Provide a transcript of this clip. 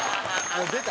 もう出た。